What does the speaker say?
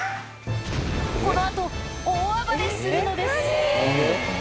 このあと、大暴れするのです。